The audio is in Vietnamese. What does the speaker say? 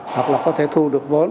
hoặc là có thể thu được vốn